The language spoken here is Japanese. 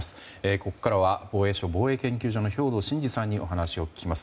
ここからは防衛省防衛研究所の兵頭慎治さんにお話を聞きます。